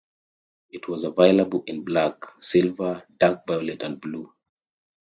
It was available in black, silver, dark violet, and blue.